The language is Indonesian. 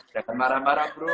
jangan marah marah bro